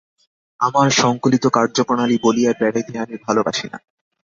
আমার সঙ্কল্পিত কার্যপ্রণালী বলিয়া বেড়াইতে আমি ভালবাসি না।